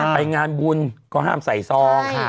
ไปงานบุญก็ห้ามใส่ซอง